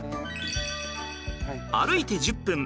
歩いて１０分。